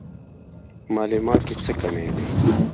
مالې ما کې څه کمی دی.